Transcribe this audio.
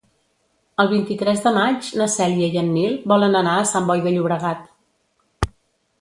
El vint-i-tres de maig na Cèlia i en Nil volen anar a Sant Boi de Llobregat.